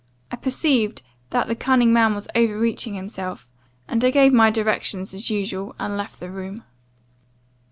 I perceived that the cunning man was overreaching himself; and I gave my directions as usual, and left the room.